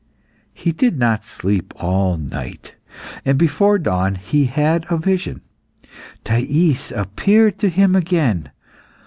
He did not sleep all night, and before dawn he had a vision. Thais appeared to him again.